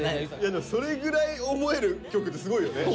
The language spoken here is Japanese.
でもそれぐらい思える曲ってすごいよね。